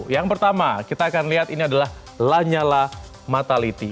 yang pertama kita akan lihat ini adalah lanyala mataliti